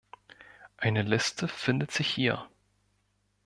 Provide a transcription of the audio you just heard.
Eine Liste findet sich hier.